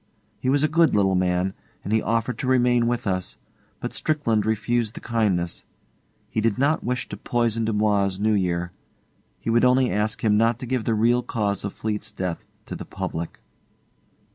He was a good little man, and he offered to remain with us; but Strickland refused the kindness. He did not wish to poison Dumoise's New Year. He would only ask him not to give the real cause of Fleete's death to the public.